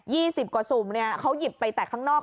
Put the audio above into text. สิบกว่าสุ่มเนี่ยเขาหยิบไปแต่ข้างนอก